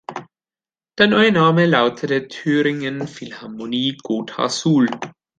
Der neue Name lautete "Thüringen Philharmonie Gotha-Suhl".